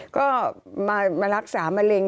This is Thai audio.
ก็มารักษามะเร็ง